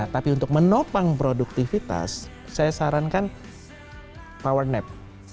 tapi untuk menopang produktivitas saya sarankan power nep